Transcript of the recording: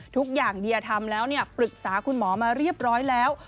ทุกอย่างเดียทำแล้วปรึกษาคุณหมอมาเรียบร้อยแล้ว